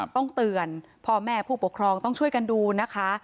ต้องเตือนพ่อแม่ผู้ปกครองต้องช่วยกันดูนะคะ